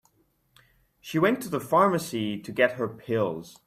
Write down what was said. She went to the pharmacy to get her pills.